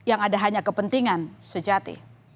yang ada hanya kepentingan sejati